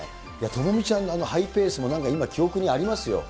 知美ちゃんのあのハイペースもなんか今、記憶にありますよ。